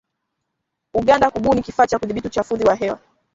Uganda kubuni kifaa cha kudhibiti uchafuzi wa hewa